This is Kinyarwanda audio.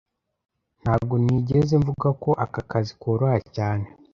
Ntago nigeze mvuga ko aka kazi koroha cyane